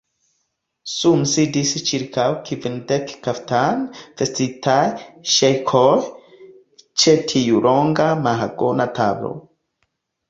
Sume sidis ĉirkaŭ kvindek kaftane vestitaj ŝejkoj ĉe tiu longa mahagona tablo.